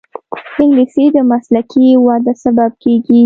انګلیسي د مسلکي وده سبب کېږي